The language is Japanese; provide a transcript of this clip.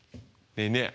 ねえねえ。